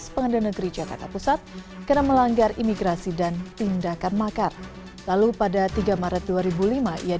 pada tahun dua ribu tiga abu bakar basir mendekam di penjara